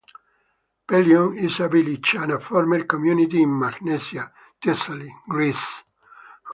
Pelion, is a village and a former community in Magnesia, Thessaly, Greece.